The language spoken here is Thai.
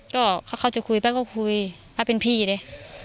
ก็ถ้าเขาจะคุยป้าก็คุยป้าเป็นพี่เลย